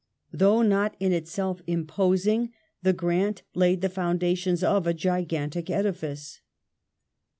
Though not in itself imposing, the grant laid the foundations of a gigantic edifice.